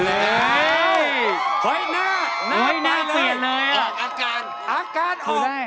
เอาเลยอุ๊ยมากเลยออกอาการคุณอาจารย์